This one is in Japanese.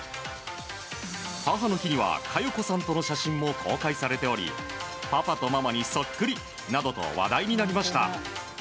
母の日には加代子さんとの写真も公開されておりパパとママにそっくりなどと話題になりました。